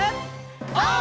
オー！